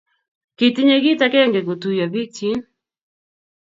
kitinye kiit akenge kotuyo biikchin